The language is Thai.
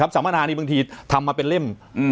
สัมมนานี่บางทีทำมาเป็นเล่ม